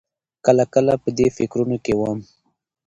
کله کله په دې فکرونو کې وم.